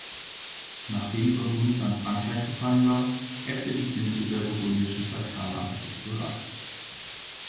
Nachdem Burgund an Frankreich gefallen war, ebbte die Blüte der burgundischen Sakralarchitektur ab.